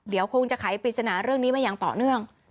เดี๋ยวคงจะไขปริศนาเรื่องนี้มาอย่างต่อเนื่อง